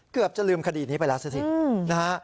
เกือบจะลืมคดีนี้ไปแล้วซะสินะฮะ